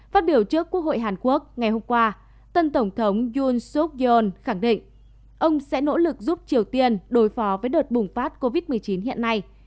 phát biểu trước quốc hội hàn quốc ngày hôm qua tân tổng thống yoon sok yoon khẳng định ông sẽ nỗ lực giúp triều tiên đối phó với đợt bùng phát covid một mươi chín hiện nay